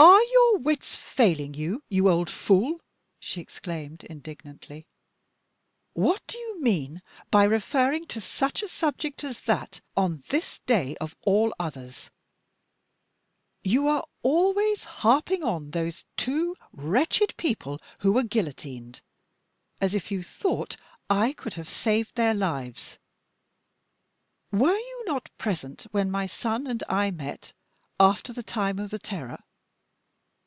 "Are your wits failing you, you old fool?" she exclaimed, indignantly. "What do you mean by referring to such a subject as that, on this day, of all others? You are always harping on those two wretched people who were guillotined, as if you thought I could have saved their lives. Were you not present when my son and I met, after the time of the Terror?